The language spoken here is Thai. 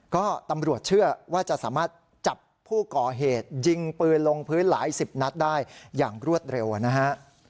ก็ตำรวจเชื่อว่าจะสามารถจับผู้ก่อเหตุยิงปืนลงพื้นหลายสิบนัดได้อย่างรวดเร็วนะฮะ